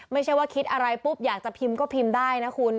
ไม่ใช่ว่าคิดอะไรปุ๊บอยากจะพิมพ์ก็พิมพ์ได้นะคุณ